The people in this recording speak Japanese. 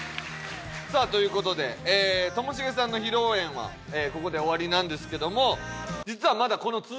さあという事でともしげさんの披露宴はここで終わりなんですけども。